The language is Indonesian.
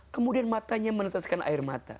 kemudian matanya menetaskan air mata